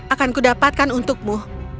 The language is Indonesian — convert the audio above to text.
akanku dapatkan untukmu